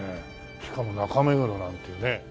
しかも中目黒なんてね。